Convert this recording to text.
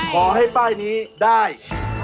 ขอให้ป้ายนี้ได้